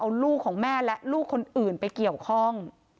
เอาลูกของแม่และลูกคนอื่นไปเกี่ยวข้อง